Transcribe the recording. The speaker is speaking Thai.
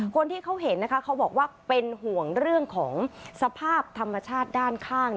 คนที่เขาเห็นนะคะเขาบอกว่าเป็นห่วงเรื่องของสภาพธรรมชาติด้านข้าง